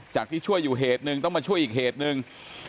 ที่ช่วยอยู่เหตุหนึ่งต้องมาช่วยอีกเหตุหนึ่ง